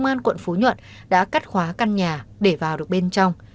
công an quận phú nhuận đã cắt khóa căn nhà để vào được bên trong